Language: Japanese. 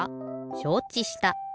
しょうちした。